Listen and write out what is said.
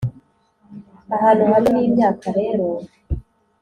ahantu hamwe n'imyaka rero: